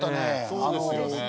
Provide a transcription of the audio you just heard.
そうですね。